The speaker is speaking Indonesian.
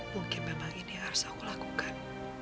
mungkin memang ini yang harus aku lakukan